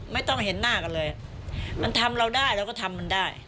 ไม่ต้องเห็นหน้ากันเลยมันทำเราได้เราก็ทำมันได้